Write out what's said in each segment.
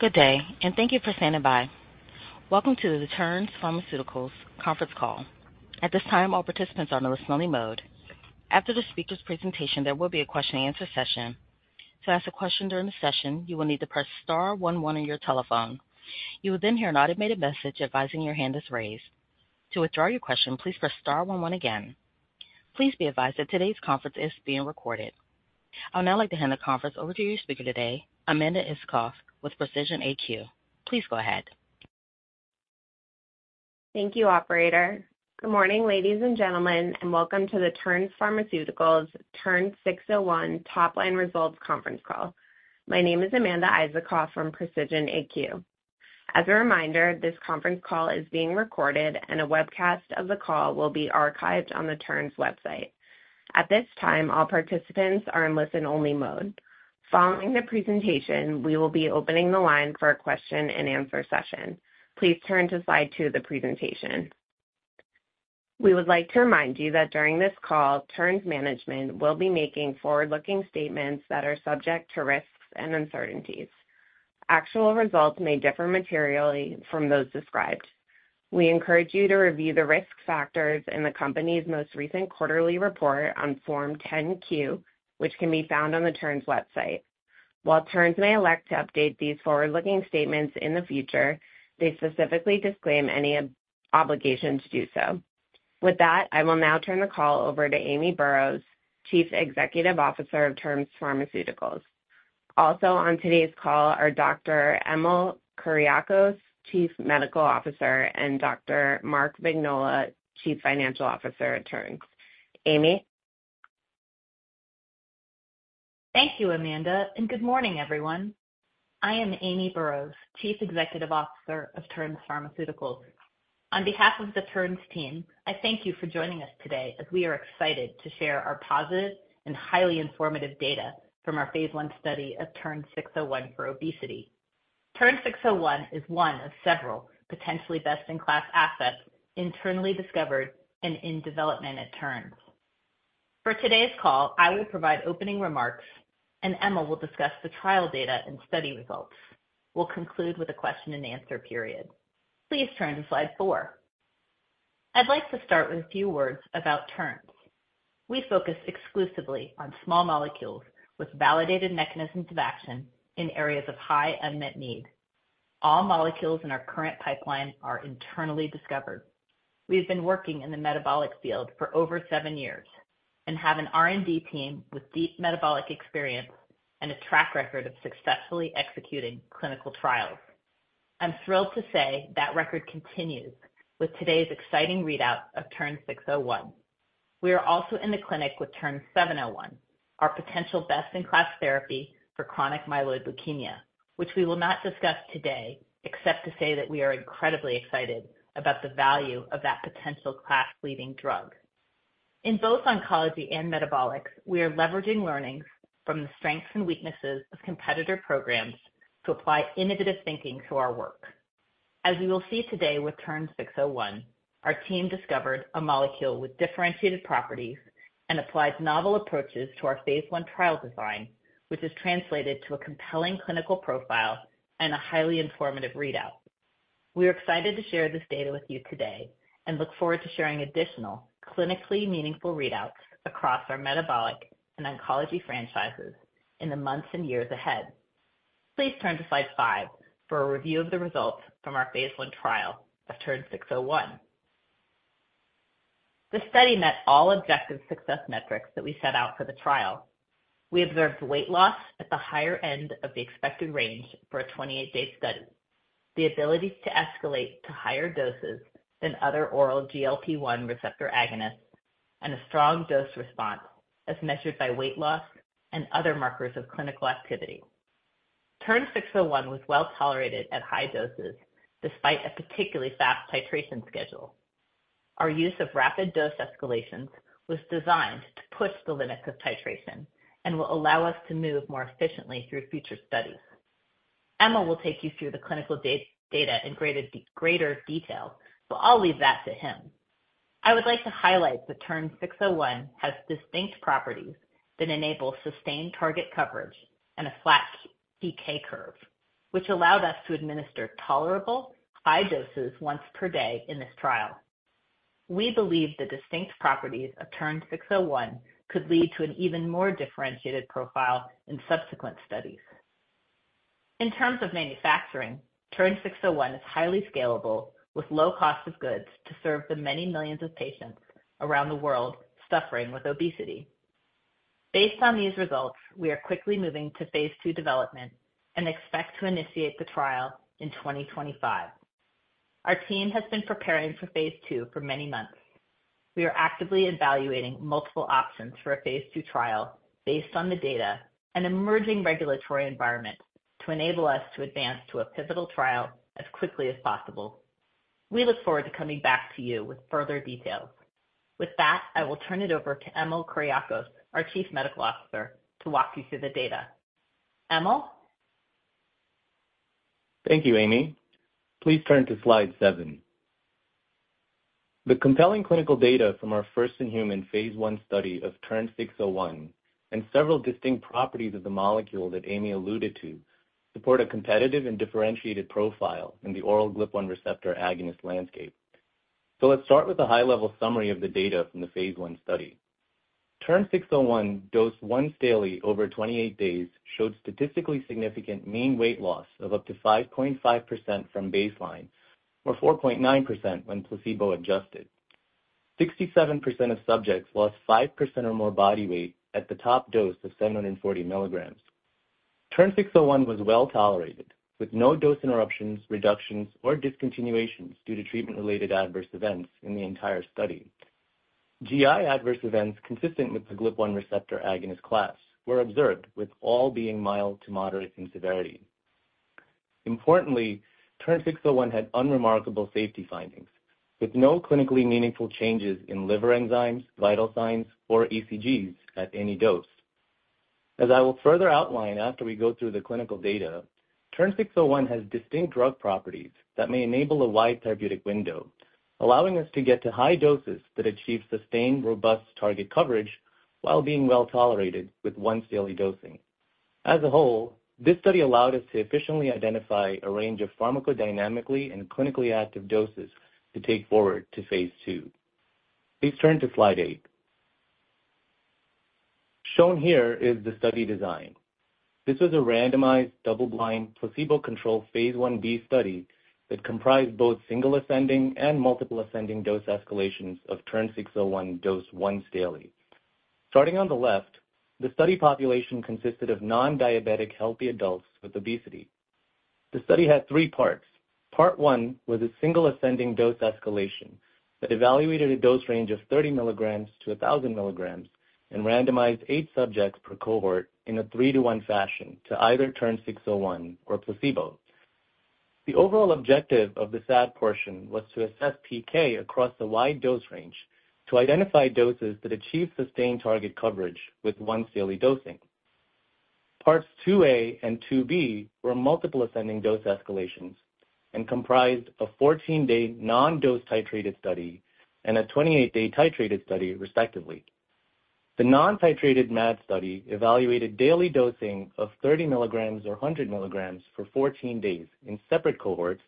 Good day, and thank you for standing by. Welcome to the Terns Pharmaceuticals conference call. At this time, all participants are on a listen-only mode. After the speaker's presentation, there will be a question-and-answer session. To ask a question during the session, you will need to press star one one on your telephone. You will then hear an automated message advising your hand is raised. To withdraw your question, please press star one one again. Please be advised that today's conference is being recorded. I would now like to hand the conference over to your speaker today, Amanda Isacoff, with Precision AQ. Please go ahead. Thank you, operator. Good morning, ladies and gentlemen, and welcome to the Terns Pharmaceuticals TERN-601 Top Line Results conference call. My name is Amanda Isacoff from Precision AQ. As a reminder, this conference call is being recorded, and a webcast of the call will be archived on the Terns website. At this time, all participants are in listen-only mode. Following the presentation, we will be opening the line for a question-and-answer session. Please turn to slide two of the presentation. We would like to remind you that during this call, Terns management will be making forward-looking statements that are subject to risks and uncertainties. Actual results may differ materially from those described. We encourage you to review the risk factors in the company's most recent quarterly report on Form 10-Q, which can be found on the Terns website. While Terns may elect to update these forward-looking statements in the future, they specifically disclaim any obligation to do so. With that, I will now turn the call over to Amy Burroughs, Chief Executive Officer of Terns Pharmaceuticals. Also on today's call are Dr. Emil Kuriakose, Chief Medical Officer, and Dr. Mark Vignola, Chief Financial Officer at Terns. Amy? Thank you, Amanda, and good morning, everyone. I am Amy Burroughs, Chief Executive Officer of Terns Pharmaceuticals. On behalf of the Terns team, I thank you for joining us today, as we are excited to share our positive and highly informative data from our phase I study of TERN-601 for obesity. TERN-601 is one of several potentially best-in-class assets internally discovered and in development at Terns. For today's call, I will provide opening remarks, and Emil will discuss the trial data and study results. We'll conclude with a question-and-answer period. Please turn to slide four. I'd like to start with a few words about Terns. We focus exclusively on small molecules with validated mechanisms of action in areas of high unmet need. All molecules in our current pipeline are internally discovered. We have been working in the metabolic field for over seven years and have an R&D team with deep metabolic experience and a track record of successfully executing clinical trials. I'm thrilled to say that record continues with today's exciting readout of TERN-601. We are also in the clinic with TERN-701, our potential best-in-class therapy for chronic myeloid leukemia, which we will not discuss today, except to say that we are incredibly excited about the value of that potential class-leading drug. In both oncology and metabolics, we are leveraging learnings from the strengths and weaknesses of competitor programs to apply innovative thinking to our work. As we will see today with TERN-601, our team discovered a molecule with differentiated properties and applied novel approaches to our phase I trial design, which has translated to a compelling clinical profile and a highly informative readout. We are excited to share this data with you today and look forward to sharing additional clinically meaningful readouts across our metabolic and oncology franchises in the months and years ahead. Please turn to slide five for a review of the results from our phase I trial of TERN-601. The study met all objective success metrics that we set out for the trial. We observed weight loss at the higher end of the expected range for a 28-day study, the ability to escalate to higher doses than other oral GLP-1 receptor agonists, and a strong dose response as measured by weight loss and other markers of clinical activity. TERN-601 was well tolerated at high doses, despite a particularly fast titration schedule. Our use of rapid dose escalations was designed to push the limits of titration and will allow us to move more efficiently through future studies. Emil will take you through the clinical data in greater detail, so I'll leave that to him. I would like to highlight that TERN-601 has distinct properties that enable sustained target coverage and a flat PK curve, which allowed us to administer tolerable high doses once per day in this trial. We believe the distinct properties of TERN-601 could lead to an even more differentiated profile in subsequent studies. In terms of manufacturing, TERN-601 is highly scalable with low cost of goods to serve the many millions of patients around the world suffering with obesity. Based on these results, we are quickly moving to phase II development and expect to initiate the trial in 2025. Our team has been preparing for phase II for many months. We are actively evaluating multiple options for a phase II trial based on the data and emerging regulatory environment to enable us to advance to a pivotal trial as quickly as possible. We look forward to coming back to you with further details. With that, I will turn it over to Emil Kuriakose, our Chief Medical Officer, to walk you through the data. Emil? Thank you, Amy. Please turn to slide seven. The compelling clinical data from our first-in-human phase I study of TERN-601 and several distinct properties of the molecule that Amy alluded to, support a competitive and differentiated profile in the oral GLP-1 receptor agonist landscape. So let's start with a high-level summary of the data from the phase I study. TERN-601 dosed once daily over 28 days, showed statistically significant mean weight loss of up to 5.5% from baseline, or 4.9% when placebo adjusted. 67% of subjects lost 5% or more body weight at the top dose of 740 milligrams. TERN-601 was well tolerated, with no dose interruptions, reductions, or discontinuations due to treatment-related adverse events in the entire study. GI adverse events, consistent with the GLP-1 receptor agonist class, were observed, with all being mild to moderate in severity. Importantly, TERN-601 had unremarkable safety findings, with no clinically meaningful changes in liver enzymes, vital signs, or ECGs at any dose. As I will further outline after we go through the clinical data, TERN-601 has distinct drug properties that may enable a wide therapeutic window, allowing us to get to high doses that achieve sustained, robust target coverage while being well tolerated with once daily dosing. As a whole, this study allowed us to efficiently identify a range of pharmacodynamically and clinically active doses to take forward to phase II. Please turn to slide eight. Shown here is the study design. This was a randomized, double-blind, placebo-controlled phase Ib study that comprised both single ascending and multiple ascending dose escalations of TERN-601 dosed once daily. Starting on the left, the study population consisted of non-diabetic, healthy adults with obesity. The study had three parts. Part one was a single ascending dose escalation that evaluated a dose range of thirty milligrams to a thousand milligrams, and randomized eight subjects per cohort in a three-to-one fashion to either TERN-601 or placebo. The overall objective of the SAD portion was to assess PK across a wide dose range to identify doses that achieve sustained target coverage with once daily dosing. Parts two-A and two-B were multiple ascending dose escalations and comprised a fourteen-day non-dose titrated study and a twenty-eight-day titrated study, respectively. The non-titrated MAD study evaluated daily dosing of thirty milligrams or a hundred milligrams for fourteen days in separate cohorts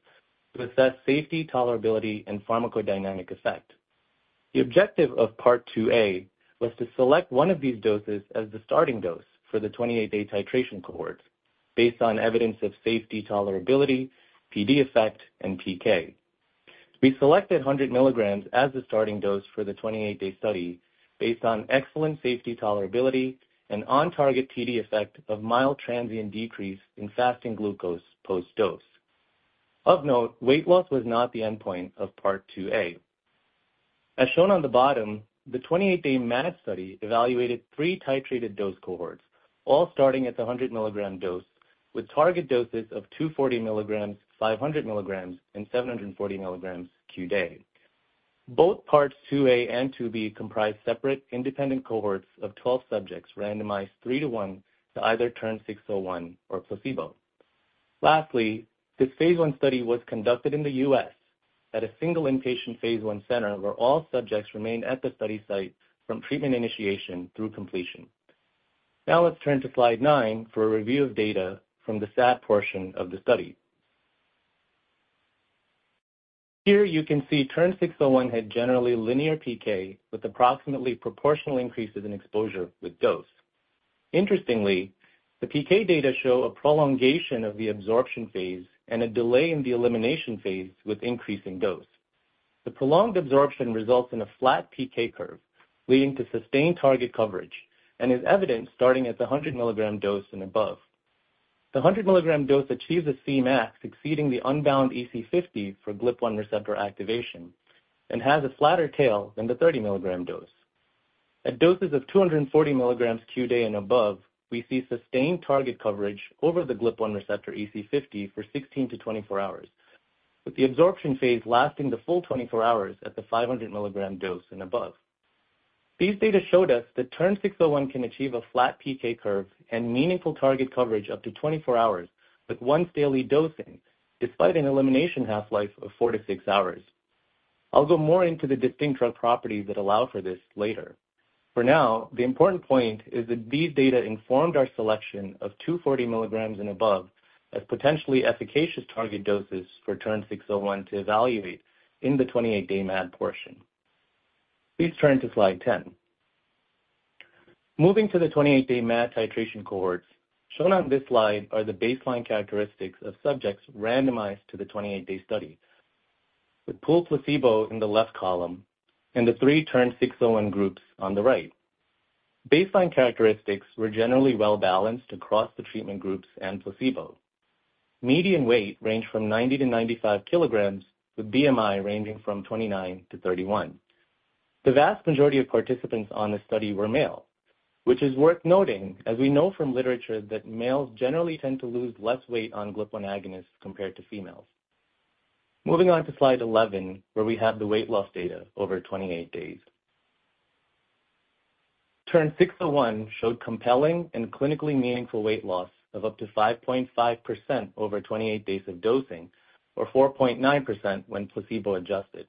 to assess safety, tolerability, and pharmacodynamic effect. The objective of part two-A was to select one of these doses as the starting dose for the twenty-eight-day titration cohort, based on evidence of safety, tolerability, PD effect, and PK. We selected 100 milligrams as the starting dose for the 28-day study based on excellent safety tolerability and on-target PD effect of mild transient decrease in fasting glucose post-dose. Of note, weight loss was not the endpoint of part 2-A. As shown on the bottom, the 28-day MAD study evaluated three titrated dose cohorts, all starting at the 100 milligram dose, with target doses of 240 milligrams, 500 milligrams, and 740 milligrams QD. Both parts 2-A and 2-B comprised separate independent cohorts of 12 subjects, randomized 3 to 1 to either TERN-601 or placebo. Lastly, this phase I study was conducted in the U.S. at a single inpatient phase I center, where all subjects remained at the study site from treatment initiation through completion. Now let's turn to slide 9 for a review of data from the SAD portion of the study. Here, you can see TERN-601 had generally linear PK, with approximately proportional increases in exposure with dose. Interestingly, the PK data show a prolongation of the absorption phase and a delay in the elimination phase with increasing dose. The prolonged absorption results in a flat PK curve, leading to sustained target coverage and is evident starting at the 100 mg dose and above. The 100 mg dose achieves a Cmax exceeding the unbound EC50 for GLP-1 receptor activation and has a flatter tail than the 30-mg dose. At doses of 240 mg QD and above, we see sustained target coverage over the GLP-1 receptor EC50 for 16 to 24 hours, with the absorption phase lasting the full 24 hours at the 500 mg dose and above. These data showed us that TERN-601 can achieve a flat PK curve and meaningful target coverage up to 24 hours with once daily dosing, despite an elimination half-life of 4 to 6 hours. I'll go more into the distinct drug properties that allow for this later. For now, the important point is that these data informed our selection of 240 milligrams and above as potentially efficacious target doses for TERN-601 to evaluate in the 28-day MAD portion. Please turn to slide 10. Moving to the 28-day MAD titration cohorts, shown on this slide are the baseline characteristics of subjects randomized to the 28-day study, with pooled placebo in the left column and the three TERN-601 groups on the right. Baseline characteristics were generally well-balanced across the treatment groups and placebo. Median weight ranged from 90 to 95 kilograms, with BMI ranging from 29 to 31. The vast majority of participants on this study were male, which is worth noting, as we know from literature, that males generally tend to lose less weight on GLP-1 agonists compared to females. Moving on to slide 11, where we have the weight loss data over 28 days. TERN-601 showed compelling and clinically meaningful weight loss of up to 5.5% over 28 days of dosing, or 4.9% when placebo adjusted.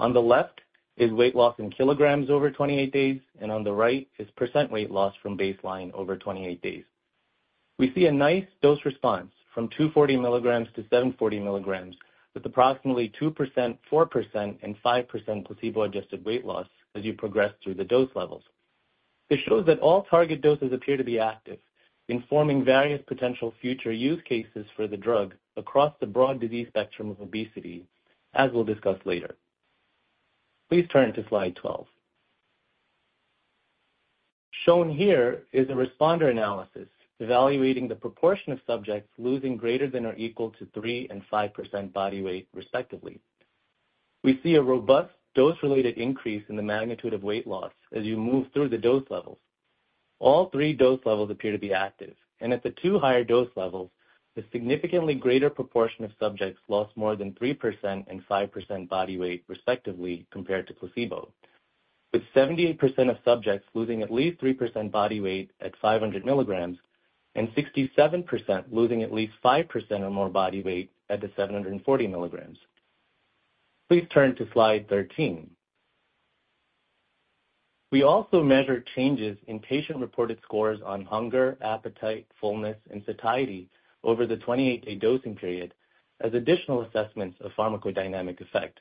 On the left is weight loss in kilograms over 28 days, and on the right is percent weight loss from baseline over 28 days. We see a nice dose response from 240 milligrams to 740 milligrams, with approximately 2%, 4%, and 5% placebo-adjusted weight loss as you progress through the dose levels. This shows that all target doses appear to be active in forming various potential future use cases for the drug across the broad disease spectrum of obesity, as we'll discuss later. Please turn to slide 12. Shown here is a responder analysis evaluating the proportion of subjects losing greater than or equal to 3% and 5% body weight, respectively. We see a robust dose-related increase in the magnitude of weight loss as you move through the dose levels. All three dose levels appear to be active, and at the two higher dose levels, a significantly greater proportion of subjects lost more than 3% and 5% body weight, respectively, compared to placebo, with 78% of subjects losing at least 3% body weight at 500 milligrams and 67% losing at least 5% or more body weight at the 740 milligrams. Please turn to slide 13. We also measured changes in patient-reported scores on hunger, appetite, fullness, and satiety over the twenty-eight-day dosing period as additional assessments of pharmacodynamic effect.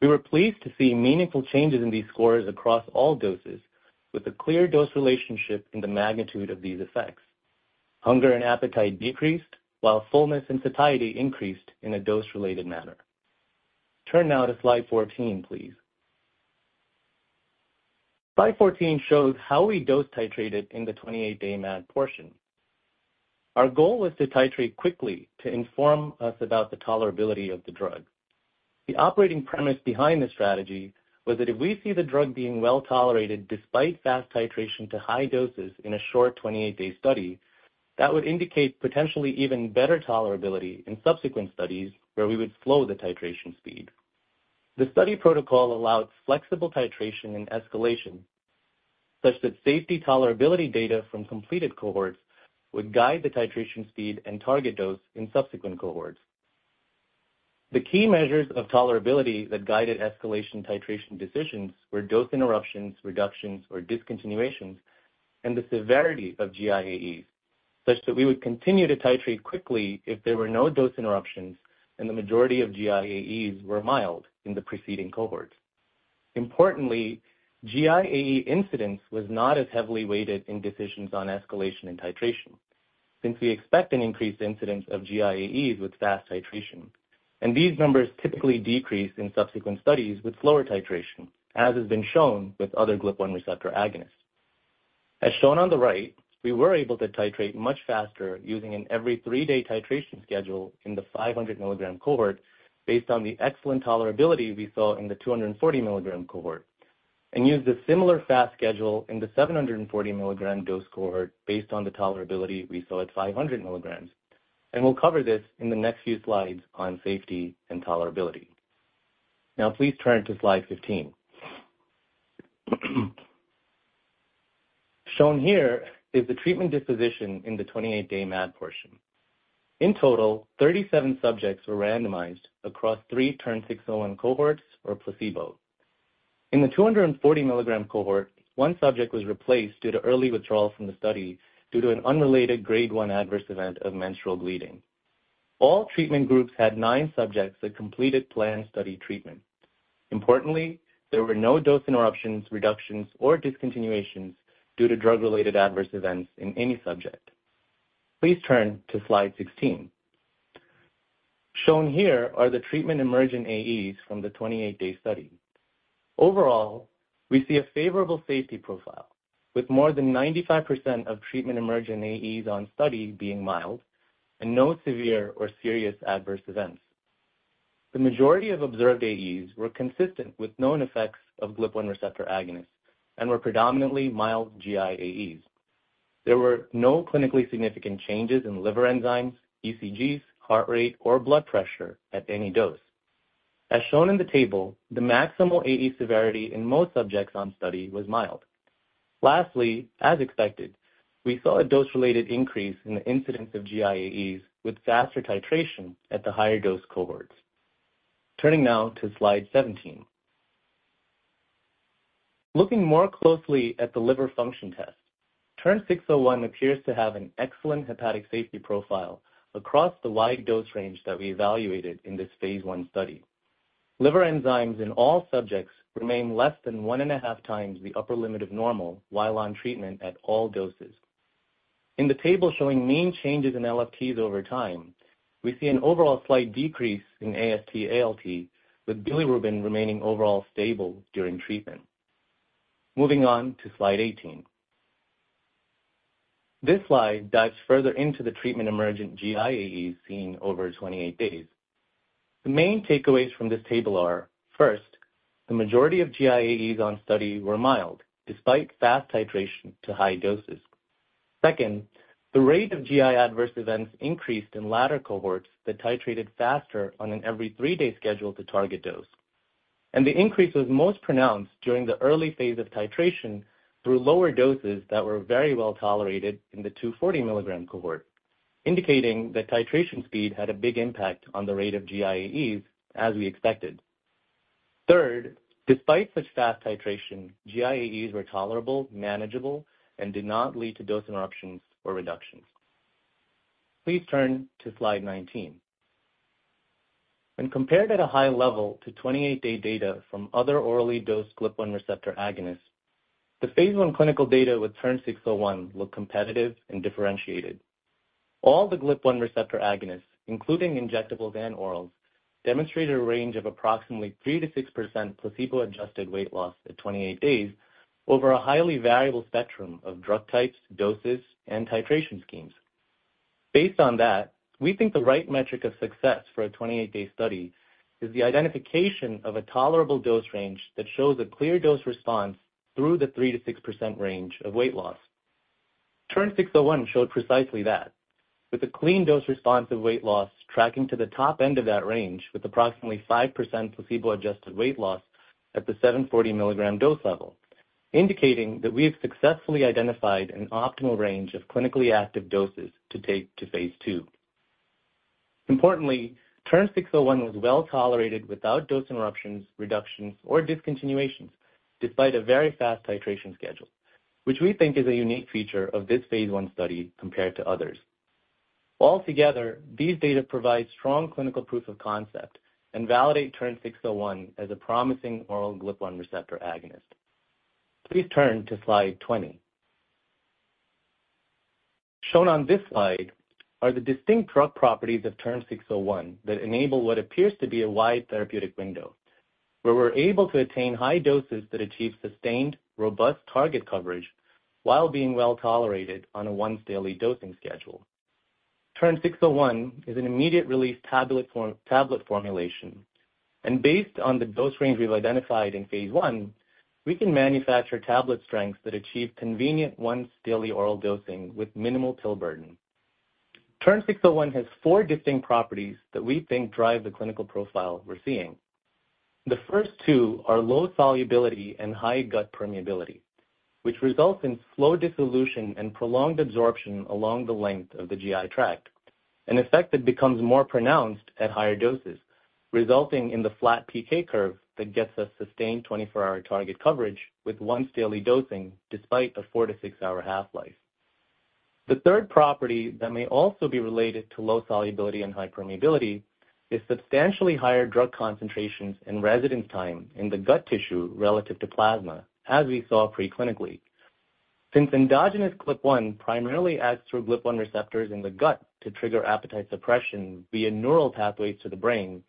We were pleased to see meaningful changes in these scores across all doses, with a clear dose relationship in the magnitude of these effects. Hunger and appetite decreased, while fullness and satiety increased in a dose-related manner. Turn now to slide 14, please. Slide 14 shows how we dose titrated in the twenty-eight-day MAD portion. Our goal was to titrate quickly to inform us about the tolerability of the drug. The operating premise behind this strategy was that if we see the drug being well tolerated, despite fast titration to high doses in a short twenty-eight-day study, that would indicate potentially even better tolerability in subsequent studies, where we would slow the titration speed. The study protocol allowed flexible titration and escalation, such that safety tolerability data from completed cohorts would guide the titration speed and target dose in subsequent cohorts. The key measures of tolerability that guided escalation titration decisions were dose interruptions, reductions, or discontinuations, and the severity of GI AEs, such that we would continue to titrate quickly if there were no dose interruptions and the majority of GI AEs were mild in the preceding cohorts. Importantly, GI AEs incidence was not as heavily weighted in decisions on escalation and titration, since we expect an increased incidence of GI AEs with fast titration, and these numbers typically decrease in subsequent studies with slower titration, as has been shown with other GLP-1 receptor agonists. As shown on the right, we were able to titrate much faster using an every three-day titration schedule in the 500-mg cohort based on the excellent tolerability we saw in the 240-mg cohort, and used a similar fast schedule in the 740-mg dose cohort based on the tolerability we saw at 500 mg. We'll cover this in the next few slides on safety and tolerability. Now please turn to slide 15. Shown here is the treatment disposition in the 28-day MAD portion. In total, 37 subjects were randomized across three TERN-601 cohorts or placebo. In the 240-mg cohort, one subject was replaced due to early withdrawal from the study due to an unrelated grade one adverse event of menstrual bleeding. All treatment groups had nine subjects that completed planned study treatment. Importantly, there were no dose interruptions, reductions, or discontinuations due to drug-related adverse events in any subject. Please turn to slide 16. Shown here are the treatment-emergent AEs from the 28-day study. Overall, we see a favorable safety profile, with more than 95% of treatment-emergent AEs on study being mild and no severe or serious adverse events. The majority of observed AEs were consistent with known effects of GLP-1 receptor agonists and were predominantly mild GI AEs. There were no clinically significant changes in liver enzymes, ECGs, heart rate, or blood pressure at any dose. As shown in the table, the maximal AE severity in most subjects on study was mild. Lastly, as expected, we saw a dose-related increase in the incidence of GI AEs with faster titration at the higher dose cohorts. Turning now to slide 17. Looking more closely at the liver function test, TERN-601 appears to have an excellent hepatic safety profile across the wide dose range that we evaluated in this phase I study. Liver enzymes in all subjects remain less than one and a half times the upper limit of normal while on treatment at all doses. In the table showing mean changes in LFTs over time, we see an overall slight decrease in AST, ALT, with bilirubin remaining overall stable during treatment. Moving on to slide 18. This slide dives further into the treatment-emergent GI AEs seen over 28 days. The main takeaways from this table are, first, the majority of GI AEs on study were mild, despite fast titration to high doses.... Second, the rate of GI adverse events increased in latter cohorts that titrated faster on an every three-day schedule to target dose. The increase was most pronounced during the early phase of titration through lower doses that were very well tolerated in the 240-milligram cohort, indicating that titration speed had a big impact on the rate of GI AEs, as we expected. Third, despite such fast titration, GI AEs were tolerable, manageable, and did not lead to dose interruptions or reductions. Please turn to slide 19. When compared at a high level to 28-day data from other orally dosed GLP-1 receptor agonists, the phase I clinical data with TERN-601 looked competitive and differentiated. All the GLP-1 receptor agonists, including injectables and orals, demonstrated a range of approximately 3% to 6% placebo-adjusted weight loss at 28 days over a highly variable spectrum of drug types, doses, and titration schemes. Based on that, we think the right metric of success for a 28-day study is the identification of a tolerable dose range that shows a clear dose response through the 3-6% range of weight loss. TERN-601 showed precisely that, with a clean dose response of weight loss tracking to the top end of that range, with approximately 5% placebo-adjusted weight loss at the 740 mg dose level, indicating that we have successfully identified an optimal range of clinically active doses to take to phase II. Importantly, TERN-601 was well tolerated without dose interruptions, reductions, or discontinuations, despite a very fast titration schedule, which we think is a unique feature of this phase I study compared to others. Altogether, these data provide strong clinical proof of concept and validate TERN-601 as a promising oral GLP-1 receptor agonist. Please turn to slide 20. Shown on this slide are the distinct drug properties of TERN-601 that enable what appears to be a wide therapeutic window, where we're able to attain high doses that achieve sustained, robust target coverage while being well tolerated on a once daily dosing schedule. TERN-601 is an immediate-release tablet formulation, and based on the dose range we've identified in phase I, we can manufacture tablet strengths that achieve convenient once daily oral dosing with minimal pill burden. TERN-601 has four distinct properties that we think drive the clinical profile we're seeing. The first two are low solubility and high gut permeability, which results in slow dissolution and prolonged absorption along the length of the GI tract, an effect that becomes more pronounced at higher doses, resulting in the flat PK curve that gets us sustained twenty-four-hour target coverage with once daily dosing, despite a four- to six-hour half-life. The third property that may also be related to low solubility and high permeability is substantially higher drug concentrations and residence time in the gut tissue relative to plasma, as we saw preclinically. Since endogenous GLP-1 primarily acts through GLP-1 receptors in the gut to trigger appetite suppression via neural pathways to the brain,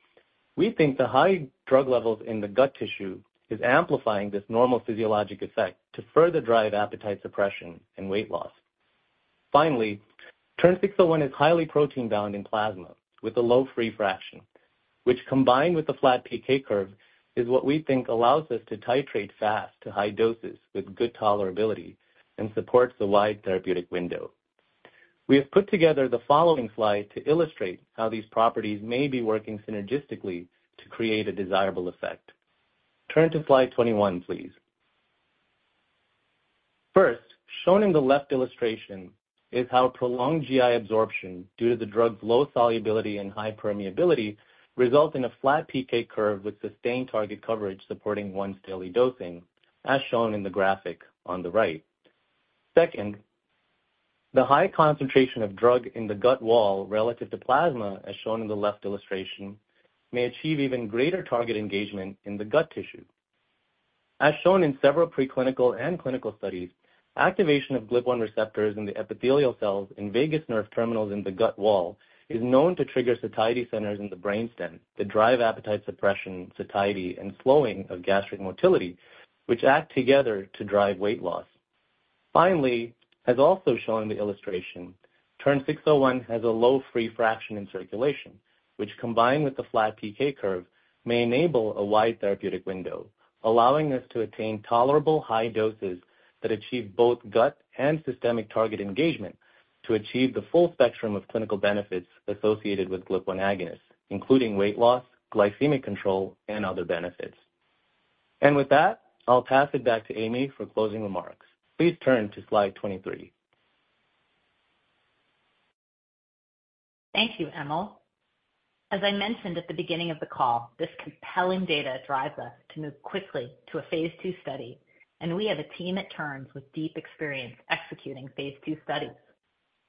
we think the high drug levels in the gut tissue is amplifying this normal physiologic effect to further drive appetite suppression and weight loss. Finally, TERN-601 is highly protein bound in plasma with a low free fraction, which, combined with the flat PK curve, is what we think allows us to titrate fast to high doses with good tolerability and supports the wide therapeutic window. We have put together the following slide to illustrate how these properties may be working synergistically to create a desirable effect. Turn to slide twenty-one, please. First, shown in the left illustration is how prolonged GI absorption, due to the drug's low solubility and high permeability, results in a flat PK curve with sustained target coverage supporting once daily dosing, as shown in the graphic on the right. Second, the high concentration of drug in the gut wall relative to plasma, as shown in the left illustration, may achieve even greater target engagement in the gut tissue. As shown in several preclinical and clinical studies, activation of GLP-1 receptors in the epithelial cells and vagus nerve terminals in the gut wall is known to trigger satiety centers in the brainstem that drive appetite suppression, satiety, and slowing of gastric motility, which act together to drive weight loss. Finally, as also shown in the illustration, TERN-601 has a low free fraction in circulation, which, combined with the flat PK curve, may enable a wide therapeutic window, allowing us to attain tolerable high doses that achieve both gut and systemic target engagement to achieve the full spectrum of clinical benefits associated with GLP-1 agonist, including weight loss, glycemic control, and other benefits. And with that, I'll pass it back to Amy for closing remarks. Please turn to slide 23. Thank you, Emil. As I mentioned at the beginning of the call, this compelling data drives us to move quickly to a phase II study, and we have a team at Terns with deep experience executing phase II studies.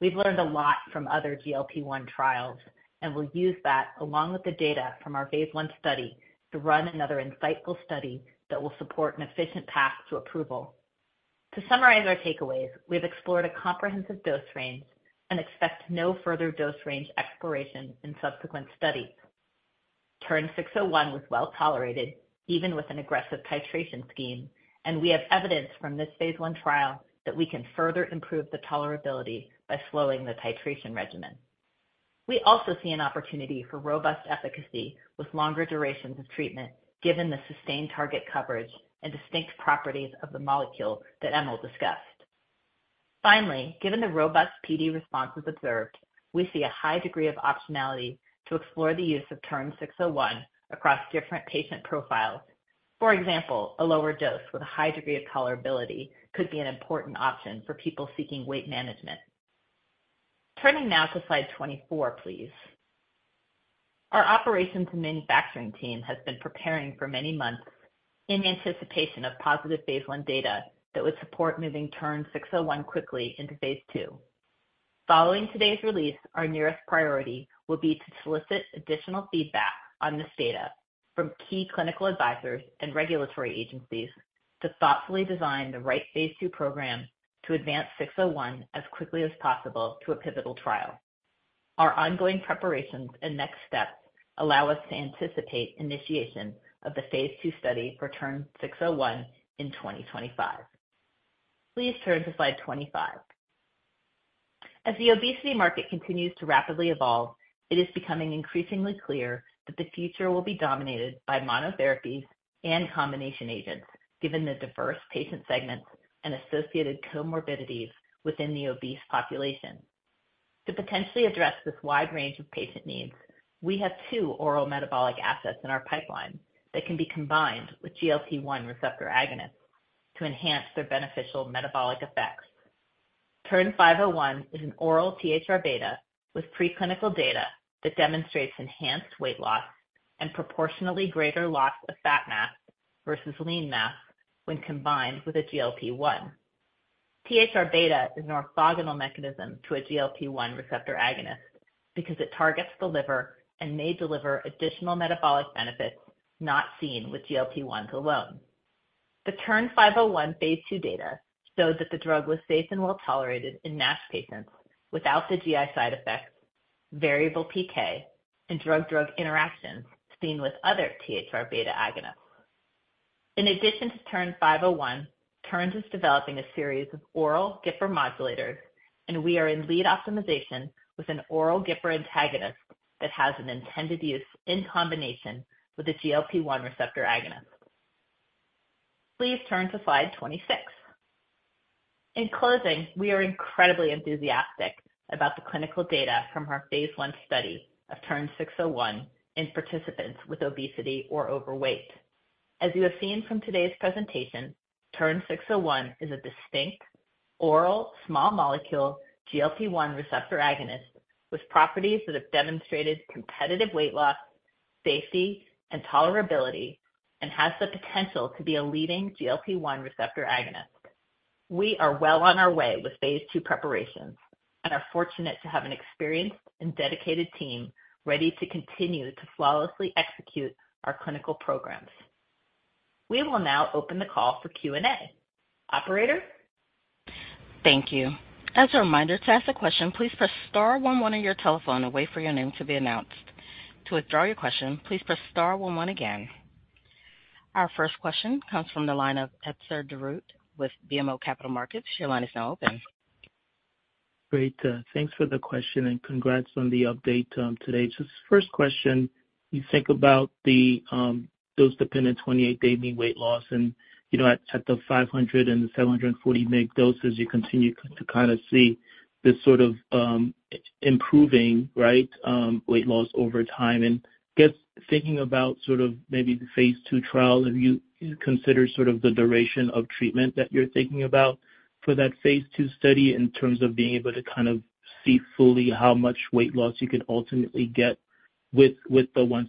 We've learned a lot from other GLP-1 trials, and we'll use that, along with the data from our phase I study, to run another insightful study that will support an efficient path to approval. To summarize our takeaways, we have explored a comprehensive dose range and expect no further dose range exploration in subsequent studies. TERN-601 was well tolerated, even with an aggressive titration scheme, and we have evidence from this phase I trial that we can further improve the tolerability by slowing the titration regimen.... We also see an opportunity for robust efficacy with longer durations of treatment, given the sustained target coverage and distinct properties of the molecule that Emil discussed. Finally, given the robust PD responses observed, we see a high degree of optionality to explore the use of TERN-601 across different patient profiles. For example, a lower dose with a high degree of tolerability could be an important option for people seeking weight management. Turning now to slide 24, please. Our operations and manufacturing team has been preparing for many months in anticipation of positive phase I data that would support moving TERN-601 quickly into phase II. Following today's release, our nearest priority will be to solicit additional feedback on this data from key clinical advisors and regulatory agencies to thoughtfully design the right phase II program to advance 601 as quickly as possible to a pivotal trial. Our ongoing preparations and next steps allow us to anticipate initiation of the phase II study for TERN-601 in 2025. Please turn to slide 25. As the obesity market continues to rapidly evolve, it is becoming increasingly clear that the future will be dominated by monotherapies and combination agents, given the diverse patient segments and associated comorbidities within the obese population. To potentially address this wide range of patient needs, we have two oral metabolic assets in our pipeline that can be combined with GLP-1 receptor agonists to enhance their beneficial metabolic effects. TERN-501 is an oral THR-β with preclinical data that demonstrates enhanced weight loss and proportionally greater loss of fat mass versus lean mass when combined with a GLP-1. THR-β is an orthogonal mechanism to a GLP-1 receptor agonist, because it targets the liver and may deliver additional metabolic benefits not seen with GLP-1s alone. The TERN-501 phase II data showed that the drug was safe and well tolerated in NASH patients without the GI side effects, variable PK, and drug-drug interactions seen with other THR-beta agonists. In addition to TERN-501, TERN is developing a series of oral GIPR modulators, and we are in lead optimization with an oral GIPR antagonist that has an intended use in combination with a GLP-1 receptor agonist. Please turn to slide 26. In closing, we are incredibly enthusiastic about the clinical data from our phase I study of TERN-601 in participants with obesity or overweight. As you have seen from today's presentation, TERN-601 is a distinct oral small molecule GLP-1 receptor agonist with properties that have demonstrated competitive weight loss, safety, and tolerability, and has the potential to be a leading GLP-1 receptor agonist. We are well on our way with phase II preparations and are fortunate to have an experienced and dedicated team ready to continue to flawlessly execute our clinical programs. We will now open the call for Q&A. Operator? Thank you. As a reminder, to ask a question, please press star one one on your telephone and wait for your name to be announced. To withdraw your question, please press star one one again. Our first question comes from the line of Etzer Darout with BMO Capital Markets. Your line is now open. Great, thanks for the question and congrats on the update today. So first question, you think about the dose-dependent 28-day mean weight loss, and you know, at the 500 and the 740 mg doses, you continue to kind of see this sort of improving, right, weight loss over time. And thinking about sort of maybe the phase II trial, have you considered sort of the duration of treatment that you're thinking about for that phase II study in terms of being able to kind of see fully how much weight loss you could ultimately get with the once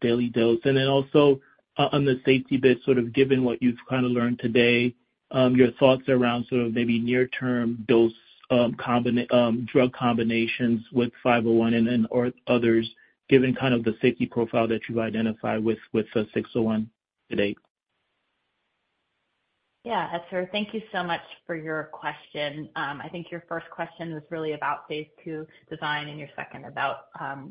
daily dose? And then also on the safety bit, sort of given what you've kind of learned today, your thoughts around sort of maybe near-term dose combinations with 501 and then or others, given kind of the safety profile that you've identified with 601 to date? Yeah, Etzer, thank you so much for your question. I think your first question was really about phase II design, and your second about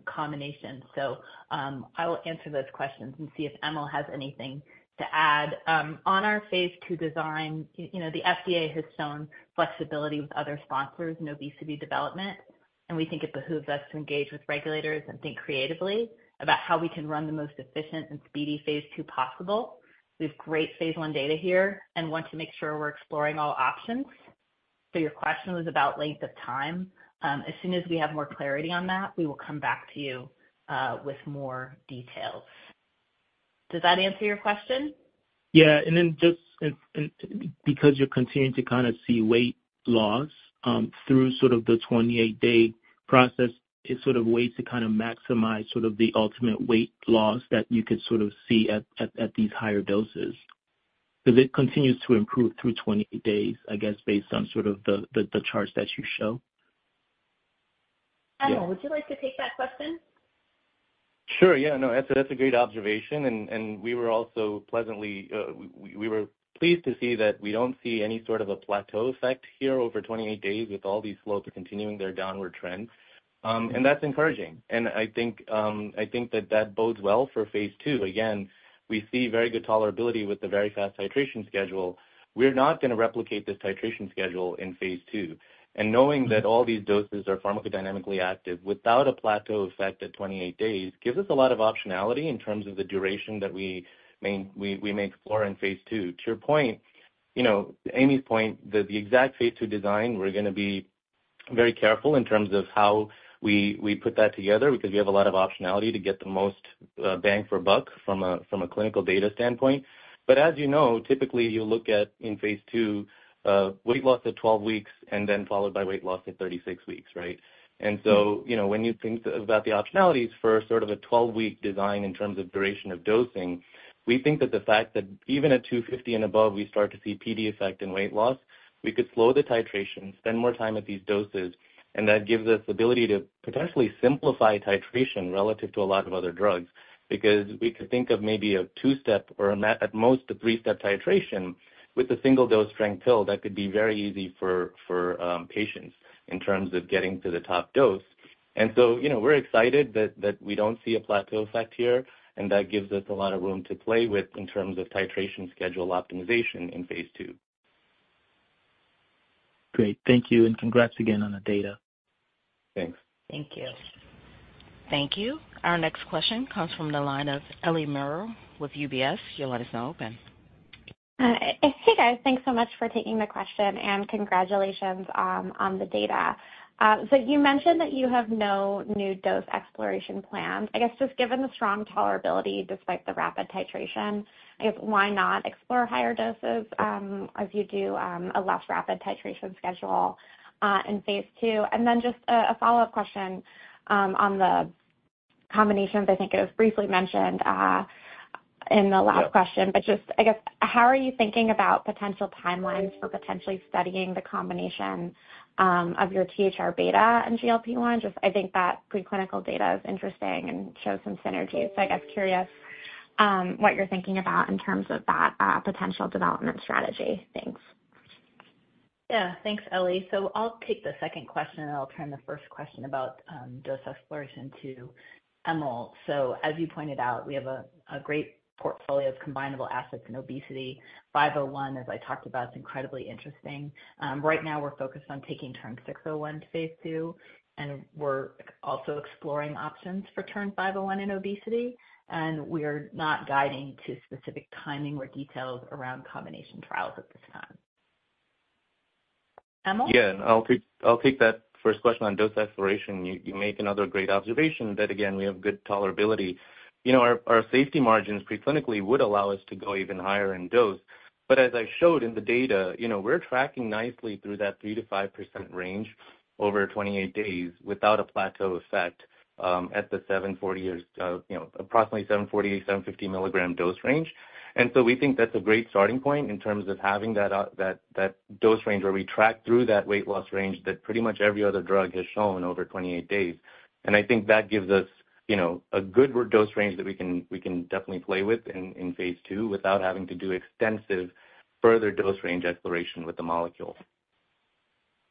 combinations. So, I will answer those questions and see if Emil has anything to add. On our phase II design, you know, the FDA has shown flexibility with other sponsors in obesity development, and we think it behooves us to engage with regulators and think creatively about how we can run the most efficient and speedy phase II possible. We have great phase I data here and want to make sure we're exploring all options. So your question was about length of time. As soon as we have more clarity on that, we will come back to you with more details. Does that answer your question? Yeah. And then just because you're continuing to kind of see weight loss through sort of the 28-day process, is sort of ways to kind of maximize sort of the ultimate weight loss that you could sort of see at these higher doses. Because it continues to improve through 28 days, I guess, based on sort of the charts that you show. Emil, would you like to take that question? Sure. Yeah, no, Etzer, that's a great observation, and we were also pleased to see that we don't see any sort of a plateau effect here over 28 days with all these slopes continuing their downward trends. And that's encouraging, and I think that bodes well for phase II. Again, we see very good tolerability with the very fast titration schedule. We're not going to replicate this titration schedule in phase II, and knowing that all these doses are pharmacodynamically active without a plateau effect at 28 days, gives us a lot of optionality in terms of the duration that we may explore in phase II. To your point, you know, Amy's point, the exact phase II design, we're going to be-... Very careful in terms of how we put that together, because we have a lot of optionality to get the most bang for buck from a clinical data standpoint. But as you know, typically, you look at in phase II weight loss at twelve weeks and then followed by weight loss at thirty-six weeks, right? And so, you know, when you think about the optionalities for sort of a twelve-week design in terms of duration of dosing, we think that the fact that even at two fifty and above, we start to see PD effect in weight loss, we could slow the titration, spend more time at these doses, and that gives us ability to potentially simplify titration relative to a lot of other drugs. Because we could think of maybe a two-step or at most a three-step titration with a single dose-strength pill that could be very easy for patients in terms of getting to the top dose. And so, you know, we're excited that we don't see a plateau effect here, and that gives us a lot of room to play with in terms of titration schedule optimization in phase II. Great. Thank you, and congrats again on the data. Thanks. Thank you. Thank you. Our next question comes from the line of Ellie Merle with UBS. Your line is now open. Hey, guys. Thanks so much for taking the question, and congratulations on the data. So you mentioned that you have no new dose exploration planned. I guess, just given the strong tolerability despite the rapid titration, I guess why not explore higher doses, as you do a less rapid titration schedule in phase II? And then just a follow-up question on the combinations. I think it was briefly mentioned in the last question. Yeah. But just, I guess, how are you thinking about potential timelines for potentially studying the combination of your THR-β and GLP-1? Just I think that preclinical data is interesting and shows some synergy. So I guess curious what you're thinking about in terms of that potential development strategy. Thanks. Yeah. Thanks, Ellie, so I'll take the second question, and I'll turn the first question about dose exploration to Emil, so as you pointed out, we have a great portfolio of combinable assets in obesity. TERN-501, as I talked about, is incredibly interesting. Right now, we're focused on taking TERN-601 to phase II, and we're also exploring options for TERN-501 in obesity, and we are not guiding to specific timing or details around combination trials at this time. Emil? Yeah, I'll take that first question on dose exploration. You make another great observation that, again, we have good tolerability. You know, our safety margins preclinically would allow us to go even higher in dose. But as I showed in the data, you know, we're tracking nicely through that 3-5% range over 28 days without a plateau effect at the 740 mg, you know, approximately 740-750 mg dose range. And so we think that's a great starting point in terms of having that dose range, where we track through that weight loss range that pretty much every other drug has shown over 28 days. And I think that gives us, you know, a good dose range that we can definitely play with in phase II without having to do extensive further dose range exploration with the molecule.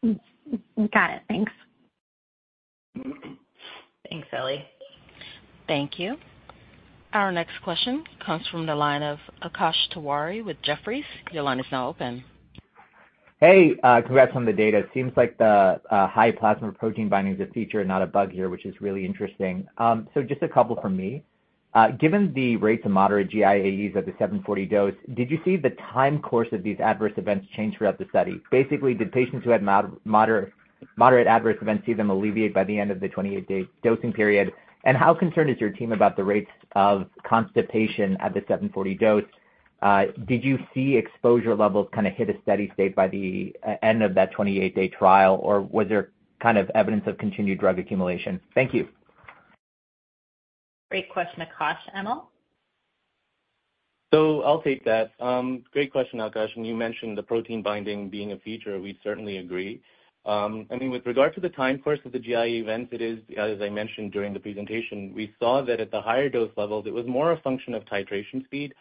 Got it. Thanks. Thanks, Ellie. Thank you. Our next question comes from the line of Akash Tewari with Jefferies. Your line is now open. Hey, congrats on the data. It seems like the high plasma protein binding is a feature, not a bug here, which is really interesting, so just a couple from me. Given the rate of moderate GI AEs at the 740 dose, did you see the time course of these adverse events change throughout the study? Basically, did patients who had moderate adverse events see them alleviate by the end of the 28-day dosing period, and how concerned is your team about the rates of constipation at the 740 dose? Did you see exposure levels kind of hit a steady state by the end of that 28-day trial, or was there kind of evidence of continued drug accumulation? Thank you. Great question, Akash. Emil? I'll take that. Great question, Akash. And you mentioned the protein binding being a feature, we certainly agree. I mean, with regard to the time course of the GI events, it is, as I mentioned during the presentation, we saw that at the higher dose levels, it was more a function of titration speed.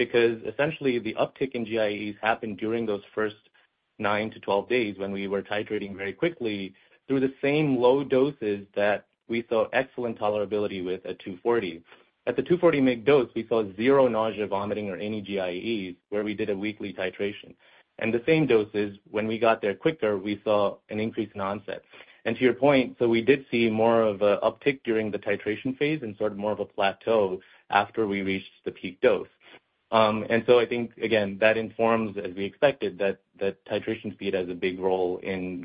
Because essentially, the uptick in GI AEs happened during those first nine to 12 days when we were titrating very quickly through the same low doses that we saw excellent tolerability with at 240. At the 240 mg dose, we saw zero nausea, vomiting, or any GI AEs where we did a weekly titration. And the same doses, when we got there quicker, we saw an increase in onset. To your point, so we did see more of an uptick during the titration phase and sort of more of a plateau after we reached the peak dose. And so I think, again, that informs, as we expected, that titration speed has a big role in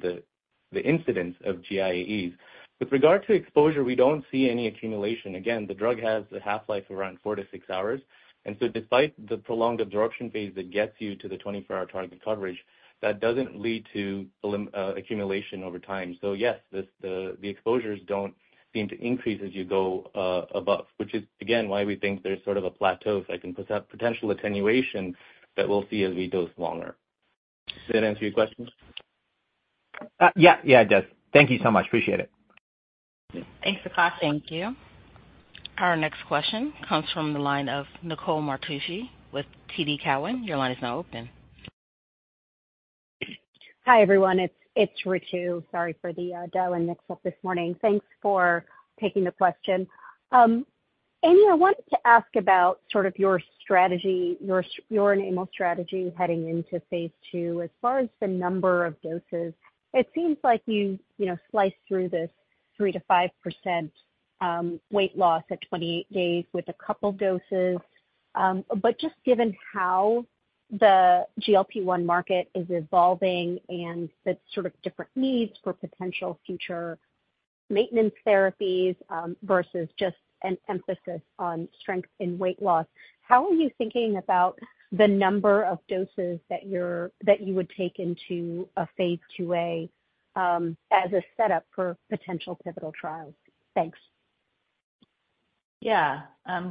the incidence of GI AEs. With regard to exposure, we don't see any accumulation. Again, the drug has a half-life around four to six hours, and so despite the prolonged absorption phase that gets you to the twenty-four-hour target coverage, that doesn't lead to accumulation over time. So yes, the exposures don't seem to increase as you go above, which is again, why we think there's sort of a plateau effect and potential attenuation that we'll see as we dose longer. Does that answer your questions? Yeah, yeah, it does. Thank you so much. Appreciate it. Thanks, Akash. Thank you. Our next question comes from the line of Nicole Martucci with TD Cowen. Your line is now open. Hi, everyone. It's Ritu. Sorry for the delay and mix-up this morning. Thanks for taking the question. Amy, I wanted to ask about sort of your strategy, your and Emil's strategy heading into phase II. As far as the number of doses, it seems like you know sliced through this 3-5% weight loss at 28 days with a couple doses. But just given how the GLP-1 market is evolving and the sort of different needs for potential future maintenance therapies versus just an emphasis on strength in weight loss, how are you thinking about the number of doses that you would take into a phase IIa as a setup for potential pivotal trials? Thanks. Yeah.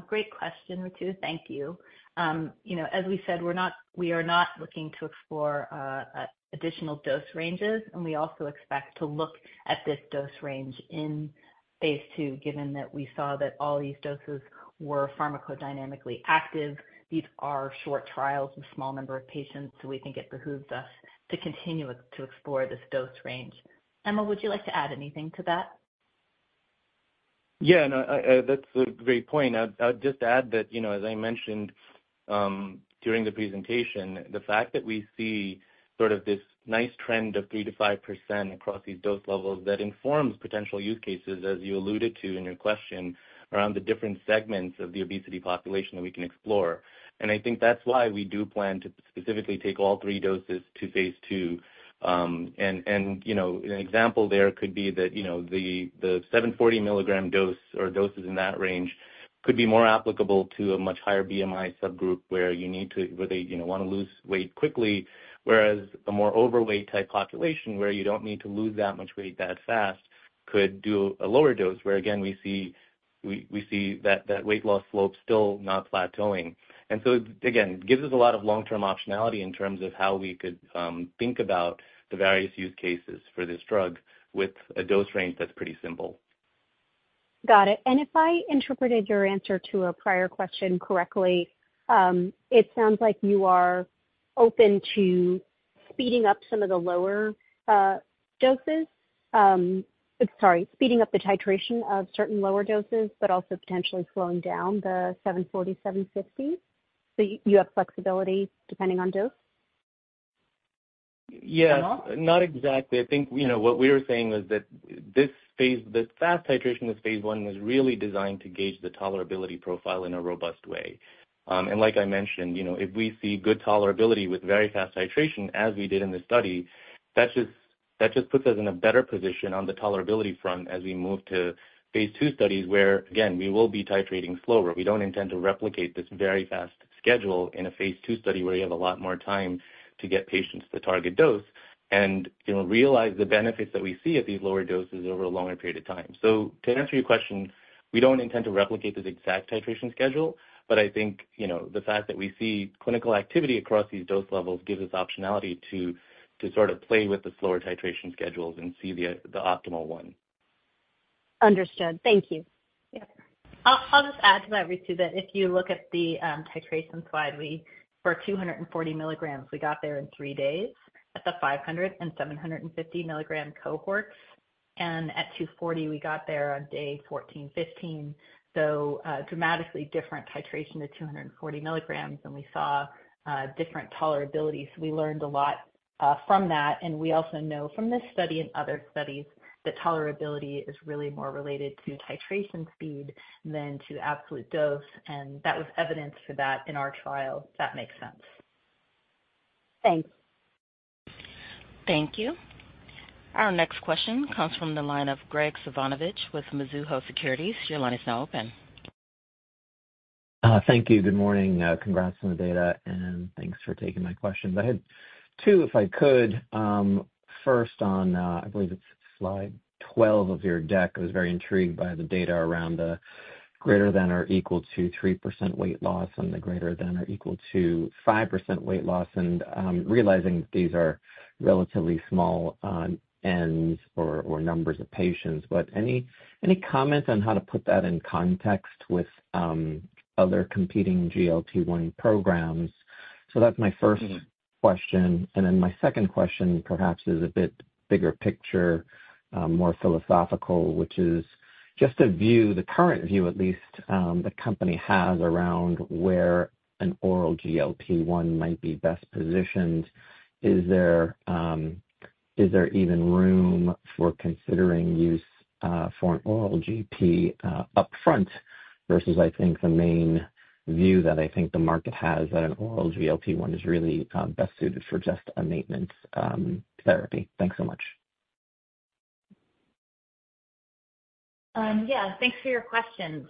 Great question, Ritu. Thank you. You know, as we said, we're not- we are not looking to explore additional dose ranges, and we also expect to look at this dose range in phase II, given that we saw that all these doses were pharmacodynamically active. These are short trials with a small number of patients, so we think it behooves us to continue to explore this dose range. Emil, would you like to add anything to that? Yeah, no, that's a great point. I'd, I'd just add that, you know, as I mentioned during the presentation, the fact that we see sort of this nice trend of 3% to 5% across these dose levels, that informs potential use cases, as you alluded to in your question, around the different segments of the obesity population that we can explore. And I think that's why we do plan to specifically take all three doses to phase II. You know, an example there could be that, you know, the 740 milligram dose or doses in that range could be more applicable to a much higher BMI subgroup, where they, you know, wanna lose weight quickly. Whereas a more overweight type population, where you don't need to lose that much weight that fast, could do a lower dose, where again, we see that weight loss slope still not plateauing, and so again, it gives us a lot of long-term optionality in terms of how we could think about the various use cases for this drug with a dose range that's pretty simple. Got it. And if I interpreted your answer to a prior question correctly, it sounds like you are open to speeding up some of the lower doses. Sorry, speeding up the titration of certain lower doses, but also potentially slowing down the seven forty, seven fifty. So you have flexibility depending on dose? Yeah. Emil? Not exactly. I think, you know, what we were saying was that this phase, the fast titration with phase I was really designed to gauge the tolerability profile in a robust way. And like I mentioned, you know, if we see good tolerability with very fast titration, as we did in this study, that just puts us in a better position on the tolerability front as we move to phase II studies, where, again, we will be titrating slower. We don't intend to replicate this very fast schedule in a phase II study, where you have a lot more time to get patients to the target dose and, you know, realize the benefits that we see at these lower doses over a longer period of time. To answer your question, we don't intend to replicate this exact titration schedule, but I think, you know, the fact that we see clinical activity across these dose levels gives us optionality to sort of play with the slower titration schedules and see the optimal one. Understood. Thank you. Yeah. I'll just add to that, Ritu, that if you look at the titration slide, we, for two hundred and forty milligrams, we got there in three days. At the five hundred and seven hundred and fifty milligram cohorts, and at two forty, we got there on day fourteen, fifteen. So, dramatically different titration to two hundred and forty milligrams, and we saw different tolerability. So we learned a lot from that. And we also know from this study and other studies, that tolerability is really more related to titration speed than to absolute dose, and that was evidence for that in our trial. That makes sense. Thanks. Thank you. Our next question comes from the line of Graig Suvannavejh with Mizuho Securities. Your line is now open. Thank you. Good morning. Congrats on the data, and thanks for taking my questions. I had two, if I could. First on, I believe it's slide 12 of your deck, I was very intrigued by the data around the greater than or equal to 3% weight loss and the greater than or equal to 5% weight loss. And, realizing these are relatively small ends or numbers of patients, but any comment on how to put that in context with other competing GLP-1 programs? So that's my first question. And then my second question perhaps is a bit bigger picture, more philosophical, which is just a view, the current view at least, the company has around where an oral GLP-1 might be best positioned. Is there even room for considering use for an oral GLP-1 upfront, versus I think the main view that I think the market has, that an oral GLP-1 is really best suited for just a maintenance therapy? Thanks so much. Yeah, thanks for your questions,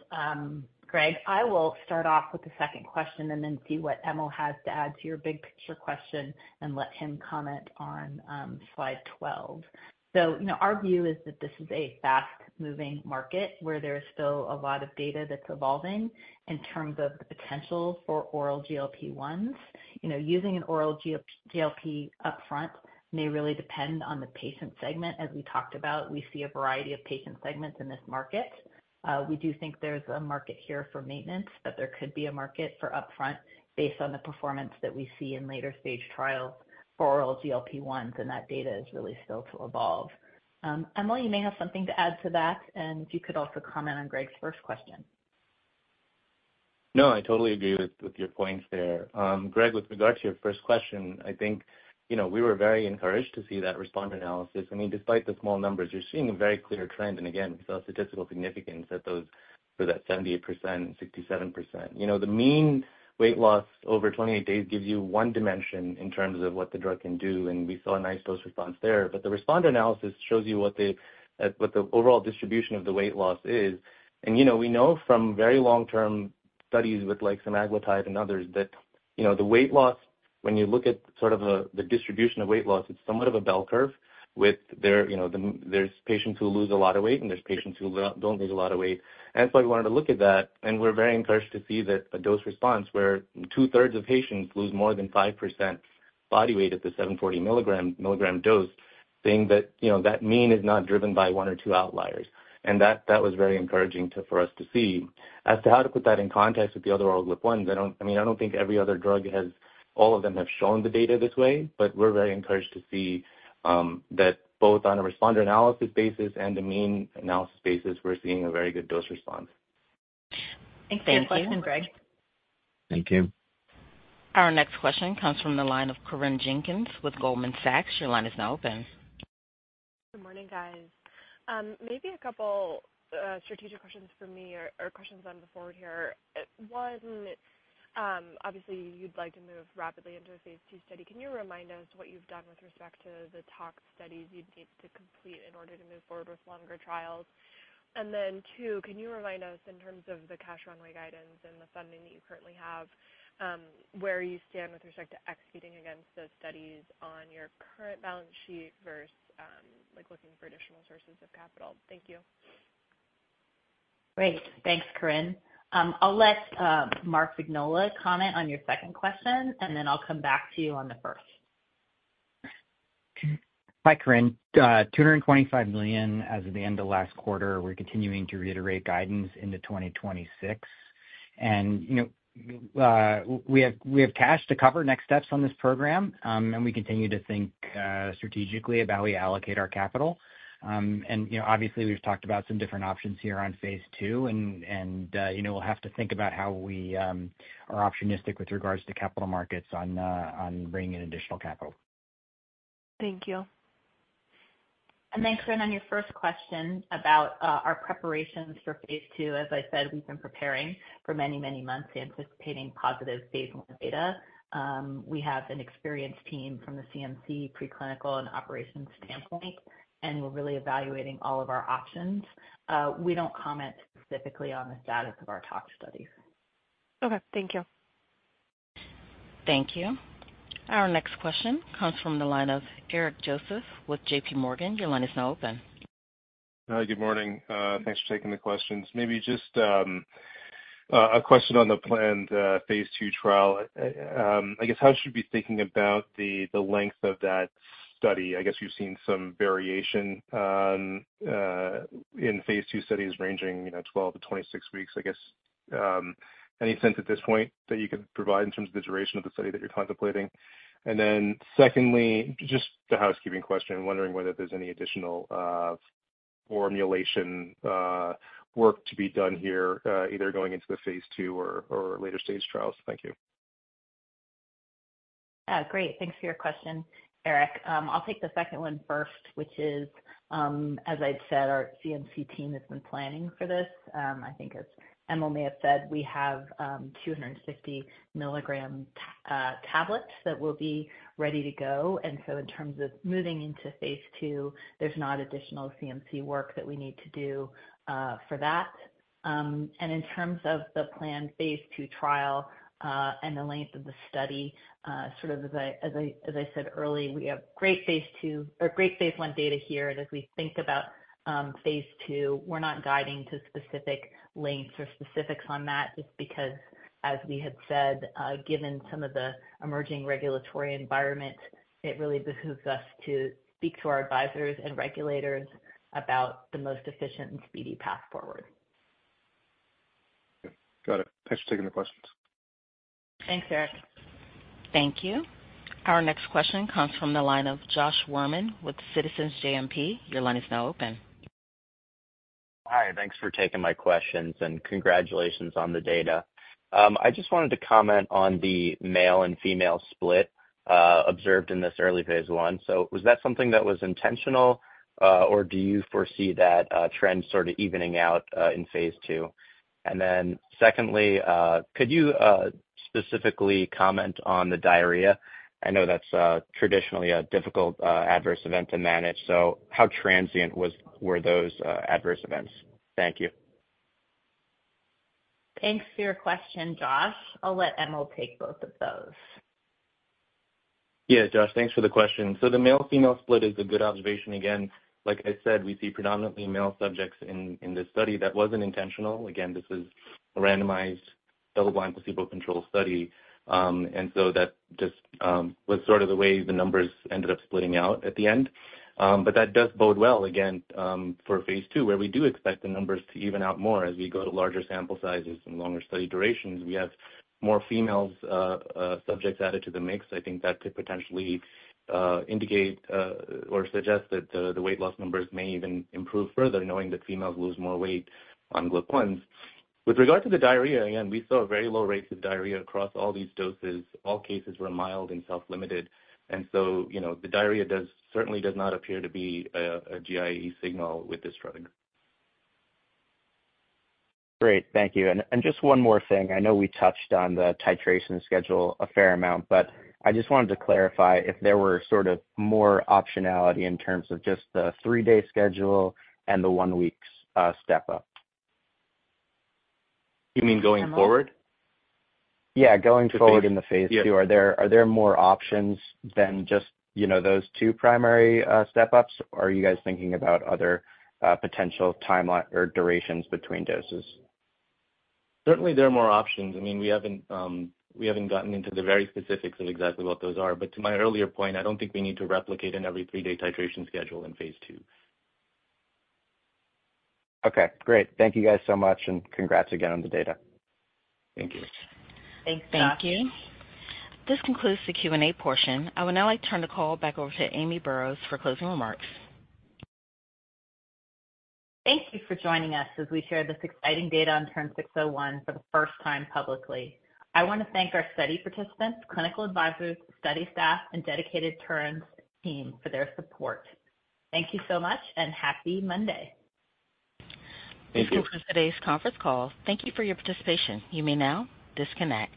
Graig. I will start off with the second question and then see what Emil has to add to your big picture question and let him comment on slide 12. You know, our view is that this is a fast-moving market, where there is still a lot of data that's evolving in terms of the potential for oral GLP-1s. You know, using an oral GLP-1 upfront may really depend on the patient segment. As we talked about, we see a variety of patient segments in this market. We do think there's a market here for maintenance, but there could be a market for upfront based on the performance that we see in later stage trials for oral GLP-1s, and that data is really still to evolve. Emil, you may have something to add to that, and if you could also comment on Graig's first question. No, I totally agree with your points there. Graig, with regard to your first question, I think, you know, we were very encouraged to see that responder analysis. I mean, despite the small numbers, you're seeing a very clear trend, and again, we saw statistical significance at those, for that 78% and 67%. You know, the mean weight loss over 28 days gives you one dimension in terms of what the drug can do, and we saw a nice dose response there. But the responder analysis shows you what the overall distribution of the weight loss is. You know, we know from very long-term studies with, like, semaglutide and others, that, you know, the weight loss, when you look at sort of the distribution of weight loss, it's somewhat of a bell curve with there, you know, there's patients who lose a lot of weight, and there's patients who don't lose a lot of weight. So I wanted to look at that, and we're very encouraged to see that a dose response where two-thirds of patients lose more than 5% body weight at the 740 milligram dose, saying that, you know, that mean is not driven by one or two outliers. And that was very encouraging for us to see. As to how to put that in context with the other oral GLP-1s, I don't... I mean, I don't think every other drug has, all of them have shown the data this way, but we're very encouraged to see that both on a responder analysis basis and the mean analysis basis, we're seeing a very good dose response. Thanks for the question, Graig. Thank you. Our next question comes from the line of Corinne Jenkins with Goldman Sachs. Your line is now open. Good morning, guys. Maybe a couple strategic questions for me or questions on the forward here. One, obviously, you'd like to move rapidly into a phase II study. Can you remind us what you've done with respect to the tox studies you'd need to complete in order to move forward with longer trials? And then, two, can you remind us, in terms of the cash runway guidance and the funding that you currently have, where you stand with respect to executing against those studies on your current balance sheet versus, like, looking for additional sources of capital? Thank you. Great. Thanks, Corinne. I'll let Mark Vignola comment on your second question, and then I'll come back to you on the first. Hi, Corinne. $225 million as of the end of last quarter. We're continuing to reiterate guidance into 2026. You know, we have cash to cover next steps on this program, and we continue to think strategically about how we allocate our capital. You know, obviously, we've talked about some different options here on phase II, and you know, we'll have to think about how we are opportunistic with regards to capital markets on bringing in additional capital. Thank you. Then, Corinne, on your first question about our preparations for phase II, as I said, we've been preparing for many, many months, anticipating positive phase I data. We have an experienced team from the CMC, preclinical, and operations standpoint, and we're really evaluating all of our options. We don't comment specifically on the status of our tox studies. Okay, thank you. Thank you. Our next question comes from the line of Eric Joseph with JPMorgan. Your line is now open. Hi, good morning. Thanks for taking the questions. Maybe just a question on the planned phase II trial. I guess, how should we be thinking about the length of that study? I guess you've seen some variation in phase II studies ranging, you know, 12-26 weeks. I guess any sense at this point that you could provide in terms of the duration of the study that you're contemplating? And then secondly, just a housekeeping question, wondering whether there's any additional formulation work to be done here, either going into the phase II or later-stage trials. Thank you. Great. Thanks for your question, Eric. I'll take the second one first, which is, as I've said, our CMC team has been planning for this. I think as Emil may have said, we have 260 milligram tablets that will be ready to go. And so in terms of moving into phase II, there's not additional CMC work that we need to do for that. And in terms of the planned phase II trial, and the length of the study, sort of as I said earlier, we have great phase II or great phase I data here. As we think about phase II, we're not guiding to specific lengths or specifics on that, just because, as we had said, given some of the emerging regulatory environment, it really behooves us to speak to our advisors and regulators about the most efficient and speedy path forward. Okay, got it. Thanks for taking the questions. Thanks, Eric. Thank you. Our next question comes from the line of Jon Wolleben with Citizens JMP. Your line is now open. Hi, thanks for taking my questions, and congratulations on the data. I just wanted to comment on the male and female split observed in this early phase I. So was that something that was intentional, or do you foresee that trend sort of evening out in phase II? And then secondly, could you specifically comment on the diarrhea? I know that's traditionally a difficult adverse event to manage, so how transient was-were those adverse events? Thank you. Thanks for your question, Josh. I'll let Emil take both of those. Yeah, Josh, thanks for the question. So the male-female split is a good observation. Again, like I said, we see predominantly male subjects in this study. That wasn't intentional. Again, this is a randomized, double-blind, placebo-controlled study. And so that just was sort of the way the numbers ended up splitting out at the end. But that does bode well, again, for phase II, where we do expect the numbers to even out more as we go to larger sample sizes and longer study durations. We have more females subjects added to the mix. I think that could potentially or suggest that the weight loss numbers may even improve further, knowing that females lose more weight on GLP-1s. With regard to the diarrhea, again, we saw very low rates of diarrhea across all these doses. All cases were mild and self-limited, and so, you know, the diarrhea does certainly not appear to be a GI signal with this drug. Great. Thank you. And just one more thing. I know we touched on the titration schedule a fair amount, but I just wanted to clarify if there were sort of more optionality in terms of just the three-day schedule and the one-week step up. You mean going forward? Yeah, going forward in the phase II. Yeah. Are there more options than just, you know, those two primary step-ups, or are you guys thinking about other potential timeline or durations between doses? Certainly, there are more options. I mean, we haven't gotten into the very specifics of exactly what those are. But to my earlier point, I don't think we need to replicate an every three-day titration schedule in phase II. Okay, great. Thank you guys so much, and congrats again on the data. Thank you. Thanks, Josh. Thank you. This concludes the Q&A portion. I would now like to turn the call back over to Amy Burroughs for closing remarks. Thank you for joining us as we share this exciting data on TERN-601 for the first time publicly. I want to thank our study participants, clinical advisors, study staff, and dedicated Terns team for their support. Thank you so much, and happy Monday. Thank you. This concludes today's conference call. Thank you for your participation. You may now disconnect.